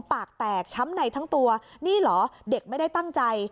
ปากแตกช้ำในทั้งตัวนี่เหรอเด็กไม่ได้ตั้งใจ